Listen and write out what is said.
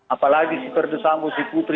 apalagi si perdesaan musik putri